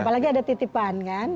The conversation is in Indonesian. apalagi ada titipan kan